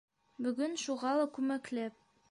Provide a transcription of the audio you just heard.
Бөгөн шуға ла күмәкләп